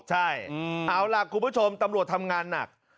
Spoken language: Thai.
ใช่เอาล่ะคุณผู้ชมตำรวจทำงานหนัก